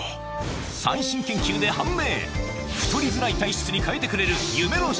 最新研究で判明